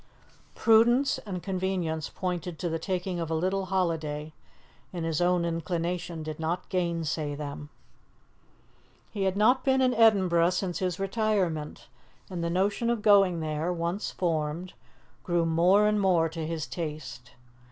Prudence and convenience pointed to the taking of a little holiday, and his own inclination did not gainsay them. He had not been in Edinburgh since his retirement, and the notion of going there, once formed, grew more and more to his taste.